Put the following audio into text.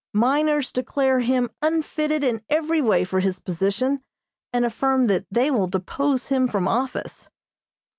Miners declare him unfitted in every way for his position, and affirm that they will depose him from office.